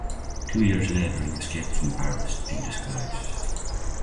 Two years later he escaped from Paris in disguise.